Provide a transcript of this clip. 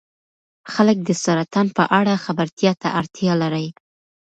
خلک د سرطان په اړه خبرتیا ته اړتیا لري.